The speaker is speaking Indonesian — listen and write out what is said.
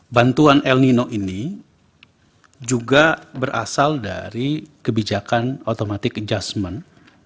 bantuan el nino ini juga berasal dari kebijakan automatic adjustment